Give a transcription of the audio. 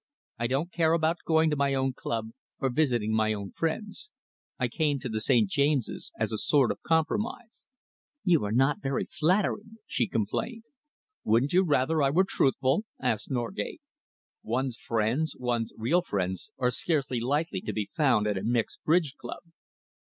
I don't care about going to my own club or visiting my own friends. I came to the St. James's as a sort of compromise." "You are not very flattering," she complained. "Wouldn't you rather I were truthful?" asked Norgate. "One's friends, one's real friends, are scarcely likely to be found at a mixed bridge club."